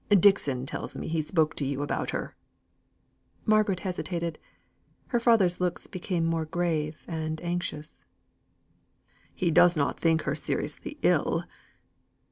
Dixon tells me he spoke to you about her." Margaret hesitated. Her father's looks became more grave and anxious: "He does not think her seriously ill?"